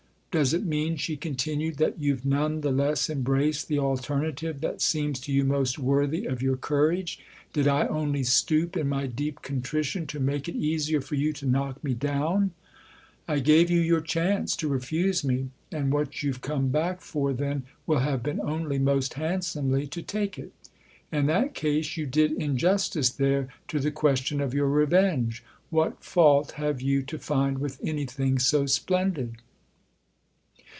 Does it mean/' she continued, " that you've none the less embraced the alternative that seems to you most worthy of your courage ? Did I only stoop, in my deep contrition, to make it easier for you to knock me down ? I gave you your chance to refuse me, and what you've come back for then will have been only, most handsomely, to take it. In that case you did injustice there to the THE OTHER HOUSE 273 question of your revenge. What fault have you to find with anything so splendid